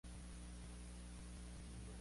Están en la línea Delhi-Moradabad.